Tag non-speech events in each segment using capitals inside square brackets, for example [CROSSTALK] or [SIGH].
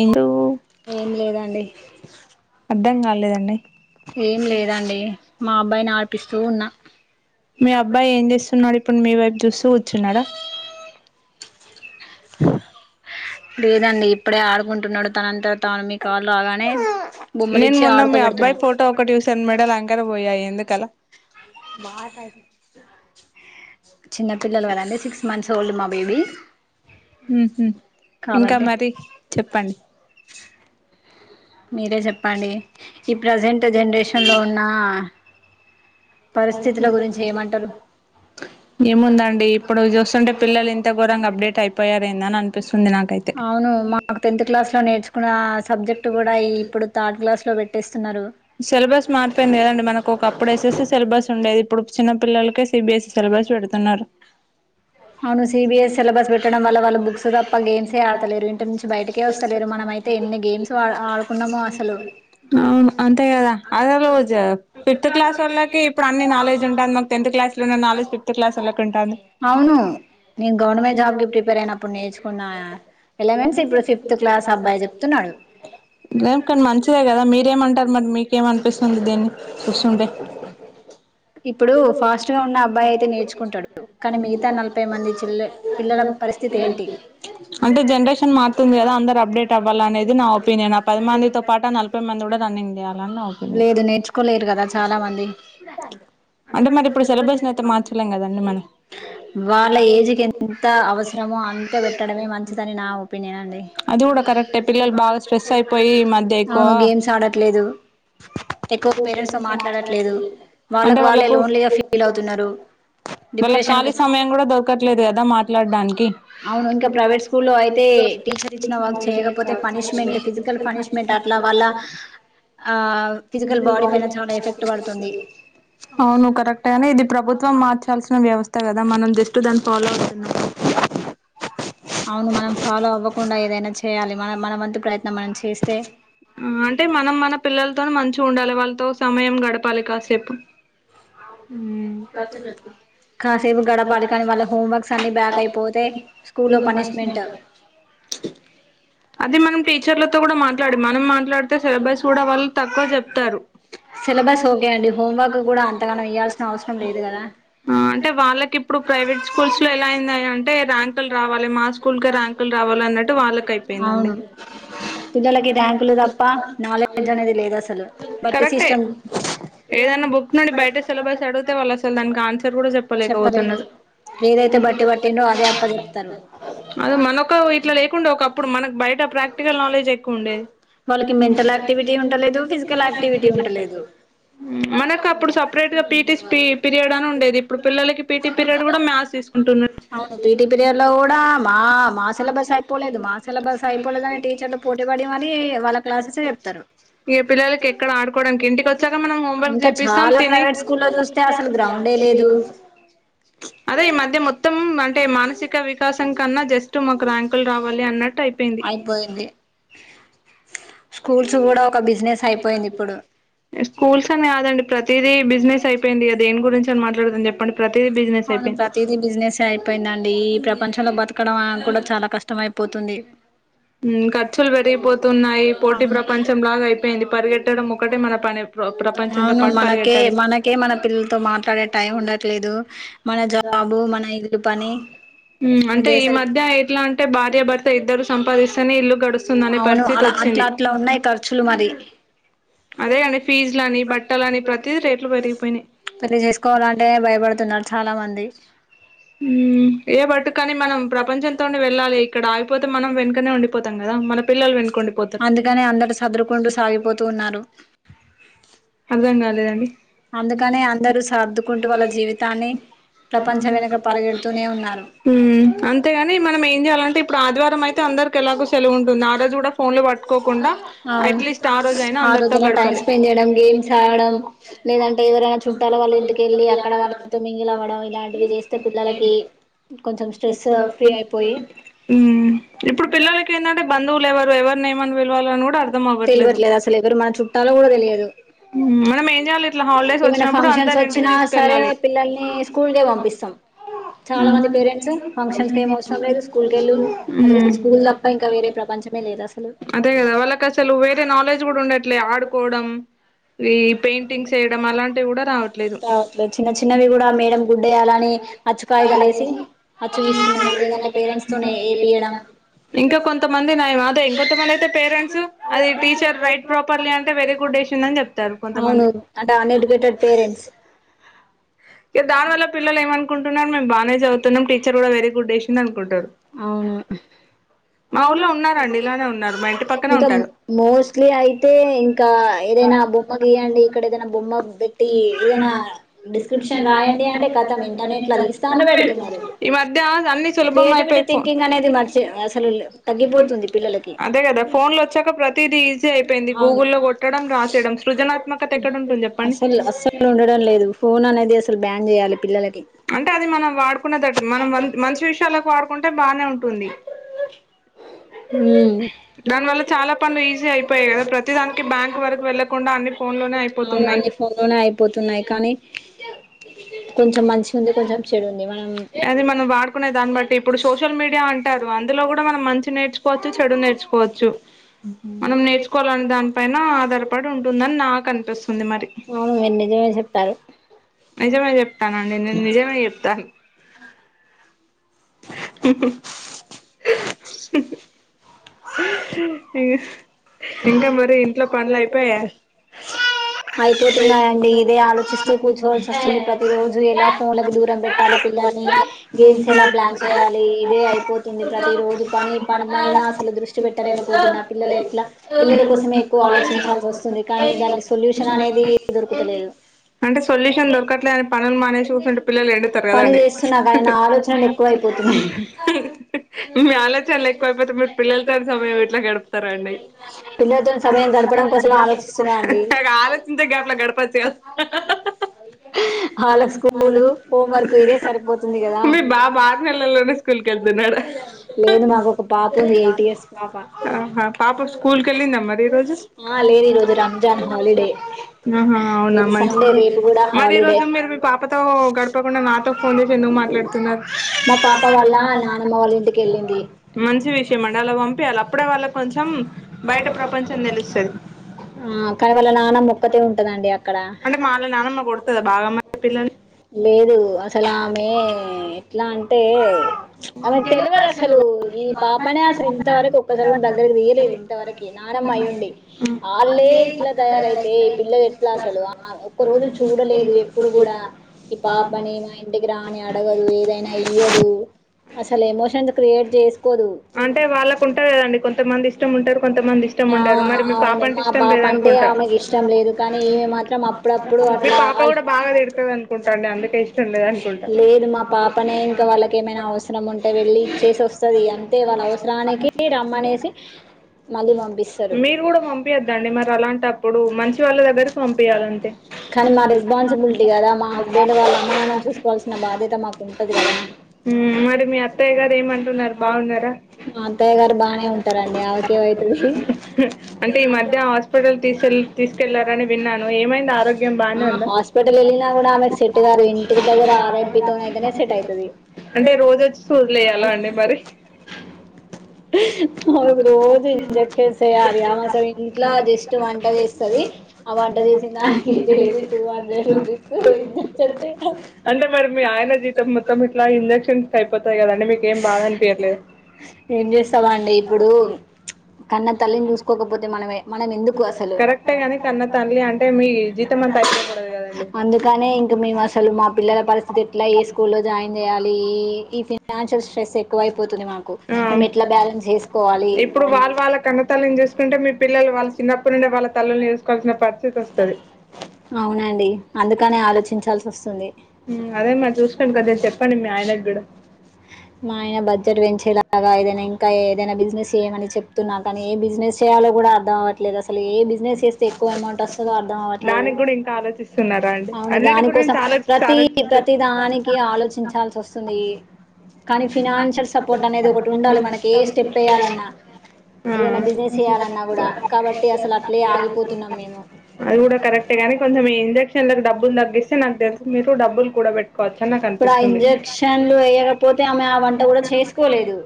ఏంటో ఏం లేదండి అర్ధం కాలేదండి ఏం లేదా అండీ మా అబ్బాయిని ఆడిపిస్తూ ఉన్నా మీ అబ్బాయి ఏం చేస్తున్నాడు ఇప్ పున్ మీ వైపు చూస్తూ కూర్చున్నారా లేదండీ ఇప్పుడే ఆడుకుంటున్నాడు తన అంతట తాను మీ కాళ్ళు ఆగానే నేన్ మొన్న మీ అబ్బాయి ఫోటో ఒకటి చుసాను మెడల అంకర బోయాయి ఎందుకలా మా తసి చిన్న పిల్లలు కదా అండి సిక్స్ మంత్స్ ఓల్డ్ మా బేబీ ఉహు ఇంకా కాబట్టి మరి చెప్పండి మీరే చెప్పాలి ఈ ప్రజెంట్ జనరేషన్ లో ఉన్నా పరిస్థితుల గురించి ఏమంటరు ఏముందండీ ఇప్పుడు చూస్తుంటే పిల్లలు ఇంత గోరంగ అప్డేట్ అయిపోయారు ఏందని అనిపిస్తు అవును మాకు టెన్త్ క్లాస్ లో నేర్చుకున్న ఆ సబ్జెక్ట్ గుడా ఇ ఇప్పుడు థర్డ్ గ్లాస్ లో బె ట్టెస్తున్నారు సిలబస్ మారిపోయింది కదండి మనకు ఒకప్పుడు ఎస్ఎస్సి [INAUDIBLE] సిలబస్ ఉండేదిప్పుడు చిన్న పిల్లలకే సిబిఎస్ఈ సిలబస్ పెడుతున్నారు అవును సిబిఎస్ సిలబస్ బెట్టడం వల్ల వాళ్ళ బుక్స్ దప్ప గేమ్సే ఆడతలేరు ఇంటి నుంచి బయటకే వస్తలేరు మనం అవును అంతే గదా అదె ఫిఫ్త్ క్లాసోళ్లకి కీ ఇప్పుడు అన్ని నాలెడ్జ్ ఉంటాంది మాకు తెంత్ క్లాస్ లో ఉన్న నాలెడ్జ్ ఫిఫ్త్ క్లాసోళ్లకి ఉంటాంది అవును అవునూ నేను గవర్నమెంట్ జాబ్ కి ప్రిపేర్ అయినప్పుడు నేర్చుకున్నా ఎల్లేవెన్స్ ఇప్పుడు ఫిఫ్త్ క్లాస్ అబ్బాయ్ చేప్తున్నాడు లేం కన్ మంచిదే గదా మీరేమంటర్ మరి మీకేమనిపిస్తుంది దీన్ని చూస్తుంటే ఇప్పుడు ఫాస్ట్ గా ఫస్ట్ ఉన్న [UNINTELLIGIBLE] అబ్బాయి అయితే అబ్బాయే [UNINTELLIGIBLE] నేర్చుకుంటాడు కానీ కాని మిగతా నలభై మంది చిల్ల పిల్లల పరిస్థితి ఏంటి అంటే జనరేషన్ మారుతుంది గదా అందరు అప్డేట్ అవ్వాలనేది నా ఒపీనియన్ ఆ పది మ మందితో పాటు అ నలభై మంది గూడా రన్నింగ చేయాలనీ నా ఒపీనియన్ లేదు నేర్చుకోలేరు కదా చాలా మంది అంటే మరిప్పుడు సిలబస్ ని అయితే మార్చలేం గదండి మనం వాళ్ళ ఏజ్కి ఎంత అవసరమో అంత పెట్టడమే మంచిదని నా ఒపీనియన్ అండి [UNINTELLIGIBLE] గూడ కరెక్టే పిల్లలు బాగా స్ట్రెస్ అయిపోయి ఈ మధ్య ఎక్కువ అవును గేమ్స్ ఆడట్లేదు ఎక్కువ పేరెంట్స్ తో మాట్లాడట్లేదు అంటే వాళ్ళకి వాళ్ళే వాళ్ళకు లోన్లీగా ఫీల్ అవుతున్నారు వాళ్ళకి డిప్రెషన్ ఖాళీ సమయం గూడా దొరకట్లేదు కదా మాట్లాడ్డానికి అవును ఇంకా ప్రైవేట్ స్కూల్లో అయితే టీచర్ ఇచ్చిన వర్క్ చేయకపోతే పనిష్మెంట్ ఫిజికల్ ఫనిష్మెంట్ అట్లా వాళ్ళ ఆ ఫిజికల్ బాడీ పైన చాలా ఎఫెక్ట్ పడుతుంది అవును కరెక్టే గా ప్రభుత్వంనీ ఇది ప్రభుత్వం మార్చాల్సిన వ్యవస్థ గదా మనం జస్ట్ దాని ఫాలో అవుతున్నాం అవును మనం ఫాలో అవ్వకుండా ఏదైనా చేయాలి మనం మన వంతు ప్రయత్నం మనం చేస్తే ఆ అంటే మనం మన పిల్లల్తోని మంచిగుండాలి వాళ్ళతో సమయం గడపాలి కాసేపు కసరత్తు మ కాసేపు గడపాలి కానీ వాళ్ళ హోంవర్క్స్ అన్ని బ్యాక్ అయిపోతే స్కూల్లో ఫుల్లు పనిష్మెంట్ పనిష్మెంటు అది మనం టీచర్లతో గూడా మాట్లాడి మనం మాట్లాడితే సిలబస్ గూడా వాళ్ళు తక్కువ జెప్తారు సిలబస్ ఓకే అండి హోమ్ వర్క్ గూడా అంతగనం ఇయ్యాల్సిన అవసరం లేదు కదా ఆ అంటే వాళ్ళకిప్పుడు ప్రైవేట్ స్కూల్స్ లో ఎలా అయింది అంటే ర్యాంక్ లు రావాలి మా స్కూల్కే ర్యాంకులు రావాలి అన్నట్టు వాళ్ళకి అయిపొయిందండి అవును పిల్లలకి ర్యాంకులు తప్ప నాలెడ్జ్ అనేది లేదు అసలు బట్టి కరెక్టే సిస్టమ్ ఏదన్న బుక్ నుండి బయట సిలబస్ అడుగుతే వాళ్ళు అసలు దానికి ఆన్సర్ గూడా చెప్పలేరు చెప్పలేకవోతున్నరు ఏదైతే బట్టి పట్టిండో అదే అప్ప చెప్తారు అదే మనకు ఇట్లా లేకుండే ఒకప్పుడు మనకు బయట ప్రాక్టికల్ నాలెడ్జ్ ఎక్కువ ఉండేది వాళ్ళకి మెడికల్ యాక్టివిటీ ఉంటలేదు ఫిజికల్ యాక్టివిటీ ఉంటలేదు మనకు అప్పుడు సపరేట్ గా పీటిస్ పి పీరియడ్ అని ఉండేది ఇప్పుడు పిల్లలకి పీటీ పీరియడ్ కూడా మ్యాథ్స్ తీసుకుంటున్నారు అవును పీటీ పీరియడ్ లో కూడా మా మా సిలబస్ అయిపోలేదు మా సిలబస్ అయిపోలేదని టీచర్లు పోటీ పడి మరి వాళ్ళకి క్లాస్సేస్ ఏ చెప్తారు ఇక పిల్లలకి ఎక్కడ ఆడుకోవడానికి ఇంటికి వచ్చాక మనం హోంవర్క్ ఇంకా చేపిస్తాం చాలా తిని ప్రైవేట్ స్కూల్ చూస్తే అసలు గ్రౌండే లేదు అదే ఈ మధ్య మొత్తం అంటే మానసిక వికాసం కన్నా జస్ట్ మాకు ర్యాంకులు రావాలి అన్నట్టు అయిపోయింది అయిపోయింది స్కూల్స్ కూడా ఒక బిజినెస్ అయిపోయింది ఇప్పుడు స్కూల్స్ అని కాదండి ప్రతిదీ బిజినెస్ అయిపోయింది ఇగా దేని గురించి అని మాట్లాడదాం చెప్పండి ప్రతిదీ బిజినెస్ అవును అయిపోయింది ప్రతిదీ బిజినెస్ అయిపోయిందండి ఈ ప్రపంచంలో బతకడమా కూడా చాలా కష్టం అయిపో పోతుంది మ్ ఖర్చులు పెరిగిపోతున్నాయి పోటీ అవును ప్రపంచం లాగా అయిపోయింది పరుగెట్టడం ఒకటే మన పని ప్రపంచంతో అవును పాటు మనకే పరిగెట్టాలి మనకే మన పిల్లలతో మాట్లాడే టైం ఉండదు లేదు మన జాబు మన ఇల్లు పని మ్ అంటే ఇదే ఈ సరి మధ్య ఎట్లా అంటే భార్య భర్త ఇద్దరు సంపాదిస్తారు నే ఇల్లు గడుస్తుందనే అవును పరిస్థితి అలా వచ్చింది అట్లా అట్లా ఉన్నాయి ఖర్చులు మరి అదే అండి ఫీజు లని బట్టలని ప్రతిది రేట్లు పెరిగిపోయినాయి అంటే భయపడుతున్నారు చాలా మంది ఊ మ్ ఏ బట్ కానీ మనం ప్రపంచంతోనే వెళ్ళాలి ఇక్కడ ఆగిపోతే మనం వెనుకనే ఉండిపోతాం కదా మన పిల్లలు వెన్ అందుకనే అందరూ సదురుకుంటూ సాగిపోతూ ఉన్నారు అర్థం కాలేదండి అందుకనే అందరూ సర్దుకుంటూ వాళ్ళ జీవితాన్ని ప్రపంచం వెనక పరిగెడుతూనే ఉన్నారు మ్ అంతేగాని మనం ఏం చేయాలంటే ఇప్పుడు ఆదివారం అయితే అన్ అందరికి ఎలాగో సెలవు ఉంటుంది ఆ రోజు కూడా ఫోన్ లు పట్టుకోకుండా అవును అట్లీస్ట్ ఆ రోజు అయినా అందరితో గడపాలి చదవడం లేదంటే ఎవరైనా చుట్టాల వాళ్ళ ఇంటి [UNINTELLIGIBLE] చేస్తే పిల్లలకి కొంచెం స్ట్రెస్ ఫ్రీ అయిపోయి హ్మ్! ఇప్పుడు పిల్లలకి ఏంటంటే బంధువులు ఎవరు? ఎవరు ఏమని పిలవాలని కూడా అర్థం అవ్వట్లేదు. తెలియట్లేదు అసలు ఎవరు మన చుట్టాలో కూడా తెలియదు మనం ఏం చేయాలి ఇట్లా హాలిడేస్ ఏమైనా వచ్చినప్పుడు ఫంక్షన్స్ అందరం. ఇంటికి వచ్చినా సరే తీసుకెళ్లాలి. పిల్లల్ని స్కూల్కే పంపిస్తాం చాలా మంది పేరెంట్స్ ఫంక్షన్స్ కి ఏం అవసరం లేదు స్కూల్ కి వెళ్ళు వాళ్ళకి స్కూల్ తప్ప ఇంకా వేరే ప్రపంచమే లేదు అసలు అదేకదా వాళ్ల కసలు కి నాలెడ్జ్ కూడా ఉండట్లే ఆడుకోవడం ఈ పెయింటింగ్స్ వేయడం అలాంటివి కూడా రావట్లే ట్ల చిన్న చిన్నవి కూడా మేడం గుడ్డేయ్యాలని అచ్చుకాయదాలేసి అ చూపిస్తున్నారు లేదంటే పేరెంట్స్ తోనే, ఏపీయడం. ఇంకా కొంతమంది నయం అదే ఇంకొంతమంది అయితే మ పేరెంట్స్ టీచర్ అది రైట్ ప్రాపర్లీ అంటే వెరీ గుడ్ వేసిందని చెప్తారు [UNINTELLIGIBLE] అవును. కొంతమంది అంటే అన్ఎడ్యుకేటెడ్ పేరెంట్స్. ఇక దాని వల్ల పిల్లలు ఏమ అకుంటున్నారు మేము బానే చదువుతున్నాం టీచర్ కూడా వెరీ గుడ్ వేసింది అనుకుంటారు. అవునా? మా ఊర్లో ఉన్నారంండి ఇలానే ఉన్నారు మా ఇంటి పక్కనే ఇంకా ఉంటారు. మోస్ట్లీ అడి అయితే క ఇంకా ఏదైనా బొమ్మ గీయండి ఇక్కడ ఏదైనా బొమ్మ పెట్టి ఏదైనా డిస్క్రిప్షన్ రాయండి అంటే కతం ఇంటర్నెట్ లో తీస్తానే పెడుతున్నారు [UNINTELLIGIBLE] ఈ మధ్య అన్నీ సులభం క్రియేటివిటీ అయిపోయాయి ఫోన్ థింకింగ్ అనేది మర్చి అసలు తగ్గిపోతుంది పిల్లలకి అదే కదా ఫోన్లు వచ్చాక ప్రతి ప్రతిదీ ఈజీ అయిపోయింది అవును గూగుల్లో కొట్టడం రాసేయడం సృజనాత్మకత ఎక్కడ ఉంటుంది చెప్పండి. అసలు అస్సలు ఉండడం లేదు ఫోన్ అనేది అసలు బ్యాన్ చేయాలి పిల్లలకి. అంటే అది మనం వాడుకునేదట్టు మనం మంచి విషయాలకు వాడుకుంటే బానే ఉంటుంది. దానివల్ల చాలా పనులు ఈజీ అయిపోయాయి కదా. ప్రతి దానికి బ్యాంక్ వరకు వెళ్ళకున్ అన్ని ఫోన్ లోనే అయిపోతున్నాయి. పోతున్నాయి కానీ. కొంచెం మంచి ఉంది కొంచెం చెడు ఉంది మనం అది మనం వాడుకునే దాన్ని బట్టి ఇప్పుడు సోషల్ మీడియా అంటారు. అందులో కూడా మనం మంచి నేర్చుకోవచ్చు చెడు నేర్చుకోవచ్చు. వు ఎ [UNINTELLIGIBLE] అడ ఉంటుందని నాకు అనిపిస్తుంది మరి. అవును మీరు నిజమే చెప్తారు. నిజమే చెప్తానండి నేను నిజమే చెప్తాను. [INAUDIBLE] ఇ ఇంకా మరి ఇంట్లో పనులు అయిపోయా. [INAUDIBLE] అయిపోతున్నాయండి ఇదే ఆలోచిస్తూ కూర్చోవాల్సి వస్తుంది ప్రతి రోజు ఎలా ఫోన్లకి దూరం పెట్టాలి [UNINTELLIGIBLE] ఏ [UNINTELLIGIBLE] పిల్లల్ని ర గేమ్స్ ఎలా ప్లాన్ చేయాలి ఇదే అయిపోతుంది ప్రతి రోజు పని పని మీద అసలు దృష్టి పెట్టలేకపోతున్నా పిల్లలు ఎట్లా పిల్లల [UNINTELLIGIBLE] బ కోసమే ఎక్కువ స్యష ఆలోచించాల్సి వస్తుంది కానీ దానికి సొల్యూషన్ అనేది దొరుకుతలేదు [UNINTELLIGIBLE] అంటే సొల్యూషన్ దొరకట్లే అని పనులు మానేసి చూస్తుంటే పిల్లలు ఎండుతారు పని కదండి చేస్తున్నా కానీ నా ఆలోచనలు ఎక్కువ అయిపోతున్నాయి మీ ఆలోచనలు ఎక్కువైపోతే పిల్లలతో సమయం ఇట్లా గడుపుతారండీ. పిల్లలతో సమయం గడపడం కోసం ఆలోచిస్తున్నా అండి ఆలోచించే గట్లే గడపొచ్చు గదా. వాళ్ళకి స్కూలు హోంవర్క్ ఇదే సరిపోతుంది కదా మీ బా బారు నల [UNINTELLIGIBLE] స్కూల్ కళ్తున్నాడు. లేదు మాకు ఒక పాప ఉంది ఎయిట్ ఇయర్స్ పాప హా పాప స్కూల్కి వెళ్ళిందా మరి ఈ రోజు ఆ లేదు ఈ రోజు రంజాన్ హాలిడే ఉ హూ అవునా? రేపు మంచి సండే రేపు కూడా మరి హాలిడే రోజు మీరు మీ పాపతో గడపకుండా నాతో ఫోన్ చేసి ఎందుకు మాట్లాడుతున్నారు. మా పాప వాళ్ళ నానమ్మ వాళ్ళ ఇంటికి వెళ్ళింది మంచి విషయం అండి అలా పంపియాలి. అప్పుడే వాళ్లు కొంచెం బయట ప్రపంచం తెలుస్తాది. ఆ కానీ వాళ్ళ నాన్నమ్మ ఒక్కతే ఉంటదండి అక్కడ అంటే మా వాళ్ళ నానమ్మ కొడుతదా బాగా మరి పిల్లల్ని లేదు అసలు ఆమె. ఎట్లా అంటే ఆమెకు తెలవదు అసలు ఈ పాపనే అసలు ఇంతవరకు ఒక్కసారి కూడా దగ్గర వెయలేము వ నానమ్మయి ఊడి వాళ్ళే ఇట్లా తయారైతే పిల్లలు ఎట్లా అసలు ఒక రోజు చూడలేదు ఎప్పుడు కూడా ఈ పాపని మా ఇంటికి రాని అడగదు ఏదైనా తెలియధు అంటే వాళ్ళకు ఉంటారు కదండి కొంతమంది ఇష్టం ఉంటారు కొంతమంది ఇష్టం ఆ ఉండారు మరి మీ పాప అవును అంటే మా ఇష్టం పాప అంటే లేదనుకుంటా ఆమెకి ఇష్టం లేదు కానీ ఈమె మాత్రం అప్పుడప్పుడు మీ అట్లా పాప ఆల్- కూడా బాగా తిడుతంది అనుకుంటా న అందుకే ఇష్టం లేద అనుకుంటాను ఇ వాళ్ళక ఏమైనా అవసరం ఉంటే వెళ్ళి ఇచ్చేసి వస్తుది అంతే వాళ్ళ అవసరానికి రమ్మనేసి మళ్ళీ పంపిస్తారు మీరు కూడా పంపయద్దండి మరి అలాంటప్పుడు మంచి వాళ్ళ దగ్గరకి పంపయాలంతే కానీ మా మరి రెస్పాన్సిబిలిటీ అనుకుంతరు కదా మా కథ హస్బెండ్ వాళ్ళ అమ్మ నాన్నని చూసుకోవాల్సిన బాధ్యత మాకు ఉంటది కదా మరి మీ అత్తయ్య గారు ఏమంటున్నారు బాగున్నారా మా అంతయ్య గారు బాగానే ఉంటారండి ఎమావుతుంధి అంటే ఈ మధ్య హాస్పిటల్ తీసుకెళ్ తీసుకెళ్లారని విన్నాను ఏమైంది ఆరోగ్యం బానే ఆ ఉందా హాస్పిటల్ ఇల్న కూడా ఆమెగ సెట్ గారు ఇంటి దగర ఆరేబ్బి తోనయిదనే సెట్ యి అంటే రోజ వచ్చి చూదిలుయ్యాలా అండి మరి హు ఆ రోజు మాట్యి ఇంజెక్షన్స్ వేయాలి ఆమె అసలు ఇంట్లో జస్ట్ వంట చేస్తది మాట ఆ వంట చేసిన దానికి daily two hundred rupees injections వేయాలి [UNINTELLIGIBLE] అంటే మరి మీ ఆయన జీతం మొత్తం ఇట్లా ఇంజెక్షన్స్కి అయిపోతాయి కదండి మీకు ఏం బాగా అనిపయర్లేదు ఏం చేస్తావా అండి ఇప్పుడు కన్నా తల్లిని చూసుకోకపోతే మనం మనం ఎందుకు అసలు కరెక్టే గాని కన్న తల్లి అంటే మీ జీతం అంతా అయిపోకూడదు కదండి అందుకనే ఇంకా మేము అసలు మా పిల్లల పరిస్థితి ఎట్లా ఏ స్కూల్ జాయిన్ చేయాలి ఈ ఫైనాన్షియల్ స్ట్రెస్ ఎక్కువ అయిపోతుంది మాకు ఆ మేము ఎట్లా బ్యాలెన్స్ చేసుకోవాలి ఇప్పుడు అని వాళ్ళు వాళ్ళ కన్నతల్ని చేసుకుంటే మీ పిల్లలు వాళ్ళ చిన్నప్పడు నుండడి వాళ్ళ తల్లుని చేసుకోవాల్సిన పరిస్థితి వస్తుంది అవునండి అందుకనే ఆలోచించాల్సి వస్తుంది అదే మరి చూసుకో కదా చెప్పండి మీ ఆయనకి కూడా మా ఆయన బడ్జెట్ పెంచేలాగా ఏదైనా ఇంకా ఏదైనా బిజినెస్ ఏమని చెప్తు నాక ఏ బిజినెస్ చేస్తే ఎక్కువ అమౌంట్ వస్తుందో అర్థం అవ్వట్లేదు నది కూడా ఇంకా ఆలోచిస్తున్నారా అండి అవును అన్నిటి దానికోసం గురించి ఆలోచిస్త ప్రతి ఆలోచిస్త ప్రతి దానికి ఆలోచించాల్సి వస్తుంది కానీ ఫినాన్షియల్ సపోర్ట్ అనేది ఒకటి ఉండాలి ఆ మనకి ఏ స్టెప్ వేయాలన్నా ఏదైనా [UNINTELLIGIBLE] బిజినెస్ చేయాలన్నా కూడా కాబట్టి అసలు అట్లే ఆగిపోతున్నాం మేము అది కూడా కరెక్ట్ కానీ కొంచం ఇంజక్ష్ ఎందుకు డబ్బులు తగ్గిస్తే నాకు తెలుసు మీరు డబ్బులు కూడా పెట్టుకోవచ్చ అని నాకు ఇప్పుడు ఆ అనిపిస్తుంది ఇంజక్షన్లు వేయకపోతే ఆమె ఆ వంట కూడా చేసుకోలేదు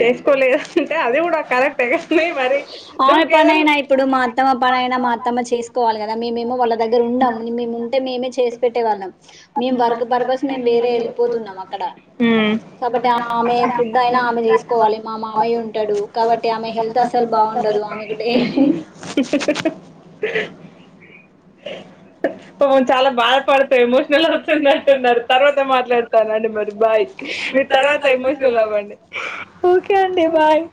చేసుకోలేదు అంటే అది కూడా కరెక్టే కాని మరి దాని ఆమె కేద్ పనైనా ఇప్పుడు మా అత్తమ్మ పనైనా మా అత్తమ్మ చేసుకోవాలి కదా మేమేమో వాళ్ళ దగ్గర ఉండం మేము ఉంటే మేమే చేసి పెట్టేవాళ్ళం మేము వర్క్ పర్పస్ మేము వేరే వెళ్ళిపోతున్నాం అక్కడ [UNINTELLIGIBLE] [UNINTELLIGIBLE] ఉమ్ కాబట్టి ఆమె ఫుడ్ అయినా ఆమె చేసుకోవాలి మా మామయ్య ఉంటాడు కాబట్టి ఆమె హెల్త్ [UNINTELLIGIBLE] అసలు [UNINTELLIGIBLE] బాగుండదు ఆమెకు డైలీ ఓ చాలా బాధపడతా ఎమోషనల్ అవుతున్నట్టున్నారు తర్వాత మాట్లాడతానండి మరి బాయ్ ఇ మీరు తర్వాత ఎమోషనల్ అవ్వండి [UNINTELLIGIBLE] ఓకే అండి బాయ్